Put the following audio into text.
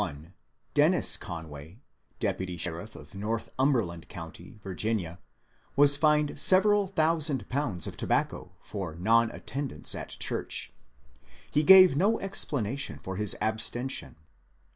UNORTHODOX FOREBEARS 7 In 1751 Denis Conway, deputy sheriff of Northumberland County, Virginia, was fined several thousand pounds of to bacco for non attendance at church. He gave no explanation for his abstention.